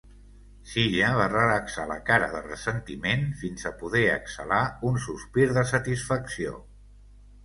Zilla va relaxar la cara de ressentiment fins a poder exhalar un sospir de satisfacció.